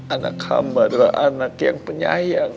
anak ham adalah anak yang penyayang